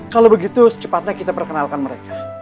kalau begitu secepatnya kita perkenalkan mereka